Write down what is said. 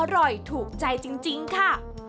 อร่อยถูกใจจริงค่ะ